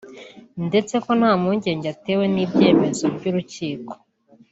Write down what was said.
ndetse ko nta mpungenge atewe n’ibyemezo by’urukiko